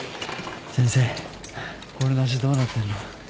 先生俺の足どうなってんの？